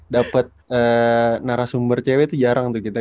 dapet narasumber cewek itu jarang tuh kita